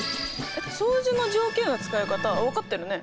えっ相似の条件の使い方分かってるね。